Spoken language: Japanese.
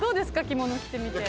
着物着てみて。